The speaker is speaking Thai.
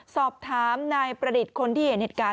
สอบถามนายประดิษฐ์คนที่เห็นเหตุการณ์